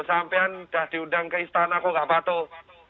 sampai yang sudah diundang ke istanaku nggak patuh